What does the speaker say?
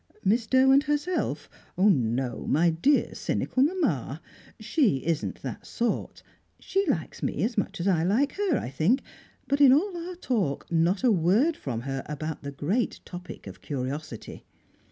Miss Derwent herself? No, my dear cynical mamma! She isn't that sort. She likes me as much as I like her, I think, but in all our talk not a word from her about the great topic of curiosity.